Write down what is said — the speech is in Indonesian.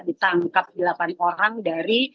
ditangkap delapan orang dari